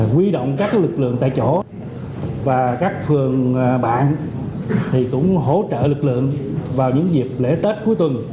quy động các lực lượng tại chỗ và các phường bạn thì cũng hỗ trợ lực lượng vào những dịp lễ tết cuối tuần